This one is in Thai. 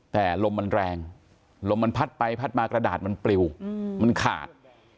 แต่ลมมันแรงลมมันพัดไปพัดมากระดาษมันปลิวมันขาด